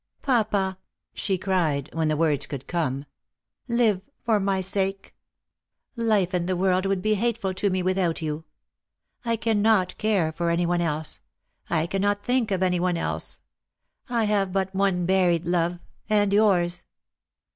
" Papa," she cried, when the words could come, " live for my sake. Life and the world would be hateful to me without you. I cannot care for any one else — I cannot think of any one else. I have but one buried love — and yours.